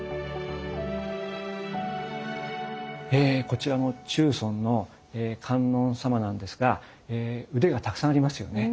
こちらの中尊の観音様なんですが腕がたくさんありますよね。